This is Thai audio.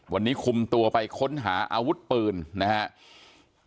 วันนี้คุมตัวไปค้นหาอาวุธปืนนะครับ